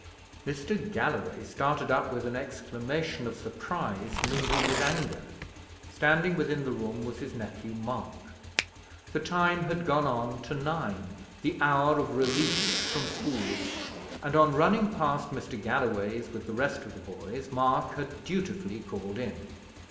Mr. Galloway started up with an exclamation of surprise, mingled with anger. Standing within the room was his nephew Mark. The time had gone on to nine, the hour of release from school; and, on running past Mr. Galloway's with the rest of the boys, Mark had dutifully called in.